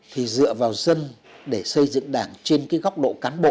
thì dựa vào dân để xây dựng đảng trên cái góc độ cán bộ